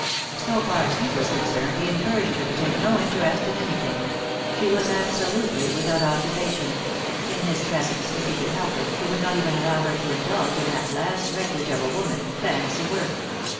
So far as he was concerned he encouraged her to take no interest in anything; she was absolutely without 157 3i 9 iii^d by Google THE INTERRUPTED KISS occupation ; in his presence, if he could help it, be would not even allow her to indulge in that last refuge of a woman, fancy work.